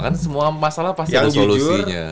kan semua masalah pasti ada solusinya